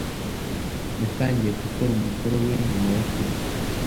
Yatangiye gukora umukoro we nyuma yo kurya.